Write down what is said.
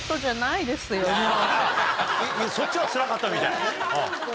そっちはつらかったみたい。